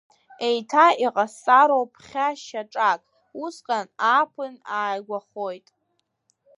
Еиҭа иҟасҵароуп, ԥхьа шьаҿак, усҟан, ааԥын ааигәахоит.